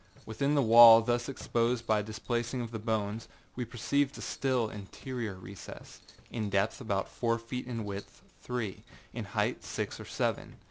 Within the wall thus exposed by the displacing of the bones, we perceived a still interior recess, in depth about four feet, in width three, in height six or seven.